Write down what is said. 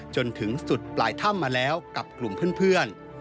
จนถึงสุดปลายถ้ำมาแล้วกับกลุ่มเพื่อน